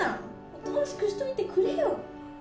おとなしくしといてくれよ。